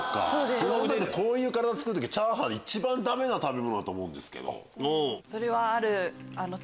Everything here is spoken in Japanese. こういう体つくる時チャーハン一番ダメな食べ物だと思うけど。